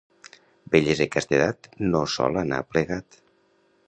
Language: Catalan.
Bellesa i castedat no sol anar plegat.